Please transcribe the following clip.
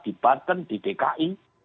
di baten di dki